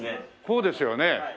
そうですよね。